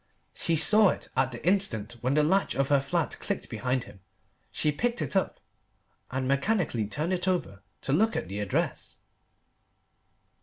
She saw it at the instant when the latch of her flat clicked behind him. She picked it up, and mechanically turned it over to look at the address.